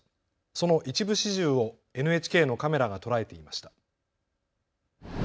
その一部始終をＮＨＫのカメラが捉えていました。